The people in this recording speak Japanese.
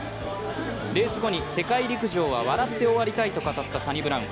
レース後に世界陸上は笑って終わりたいと語ったサニブラウン。